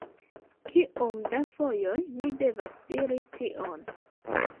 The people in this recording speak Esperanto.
Kiom da fojoj mi devas diri tion!